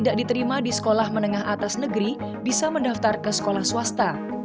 tidak diterima di sekolah menengah atas negeri bisa mendaftar ke sekolah swasta